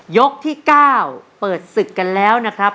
ยกที่๙เปิดศึกกันแล้วนะครับ